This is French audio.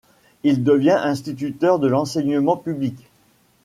Il devient instituteur de l'enseignement public.